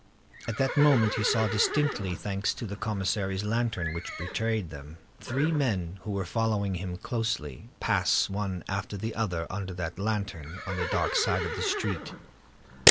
At that moment he saw distinctly, thanks to the commissary's lantern, which betrayed them, three men who were following him closely, pass, one after the other, under that lantern, on the dark side of the street.